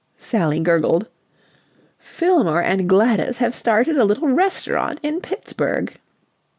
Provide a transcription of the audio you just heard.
Sally gurgled. "Fillmore and Gladys have started a little restaurant in Pittsburg."